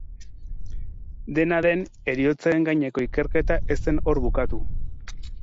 Dena den, heriotzaren gaineko ikerketa ez zen hor bukatu.